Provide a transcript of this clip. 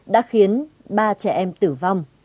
đã khiến ba trẻ em tử vong